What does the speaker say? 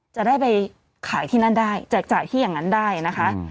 จะได้ไปขายที่นั่นได้แจกจ่ายที่อย่างนั้นได้นะคะ